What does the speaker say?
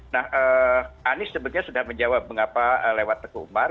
nah anies sebenarnya sudah menjawab mengapa lewat tekumar